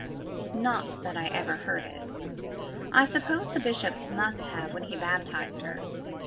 » Not that I ever heard it. I suppose the bishop must have, when he baptized her.